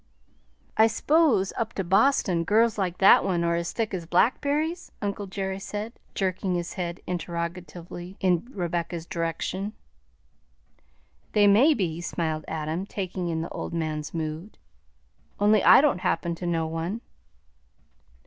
"I s'pose up to Boston, girls like that one are as thick as blackb'ries?" uncle Jerry said, jerking his head interrogatively in Rebecca's direction. "They may be," smiled Adam, taking in the old man's mood; "only I don't happen to know one."